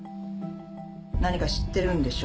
何か知ってるんでしょ？